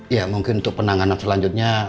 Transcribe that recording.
ya mungkin untuk penanganan selanjutnya